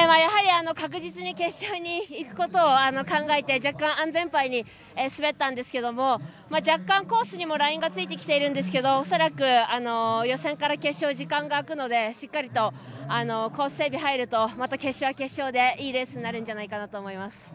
やはり確実に決勝にいくことを考えて若干、安全パイに滑ったんですけど若干コースにもラインがついてきているんですが恐らく、予選から決勝時間が空くのでしっかりとコース整備入るとまた決勝は決勝でいいレースになるんじゃないかなと思います。